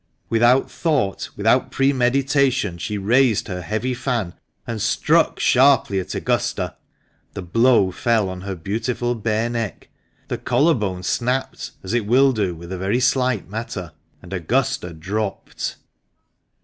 Without thought, without premeditation, she raised her heavy fan and struck sharply at Augusta. The blow fell on her beautiful bare neck, the collar bone snapped, as it will do with a very slight matter, and Augusta dropped